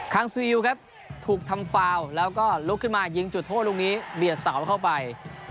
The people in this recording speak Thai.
ังซีอิวครับถูกทำฟาวแล้วก็ลุกขึ้นมายิงจุดโทษลูกนี้เบียดเสาเข้าไป